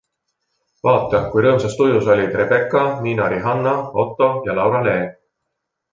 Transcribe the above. Vaata, kui rõõmsas tujus olid Rebecca, Miina Rihanna, Otto ja Laura Lee!